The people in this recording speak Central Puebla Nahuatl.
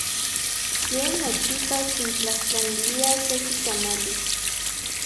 Ye nochipa kintlajtlanilia seki tamali.